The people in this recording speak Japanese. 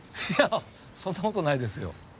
いやそんなことないですよ。